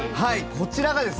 こちらがですね